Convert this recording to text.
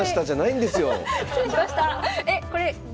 失礼しました！